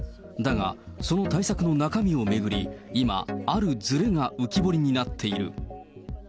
だが、その対策の中身を巡り、今、あるずれが浮き彫りになっている。